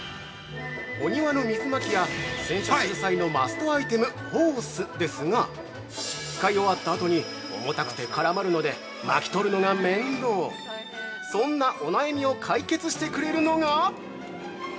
お庭の水まきや洗車する際のマストアイテム、ホースですが使い終わったあとに重たくて絡まるので巻き取るのが面倒そんなお悩みを解決してくれるのが！